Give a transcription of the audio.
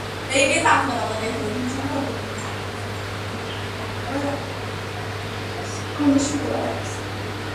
আনিকার মতোই জীবনের নানা ঘাত-প্রতিঘাত যাকে পৌঁছে দেয় একই জেলে পল্লিতে।